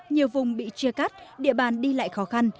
nhiều vùng bị chia cắt địa bàn đi lại khó khăn